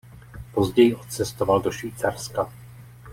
Později odcestoval do Švýcarska.